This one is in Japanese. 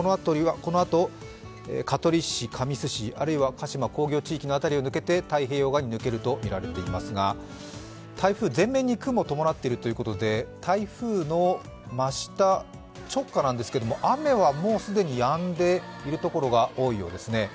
このあと香取市、神栖市、鹿島工業地域を通り太平洋側に抜けるとみられていますが台風前面に雲を伴ってるということで台風の真下、直下なんですけども雨はもう既にやんでいるところが多いようですね。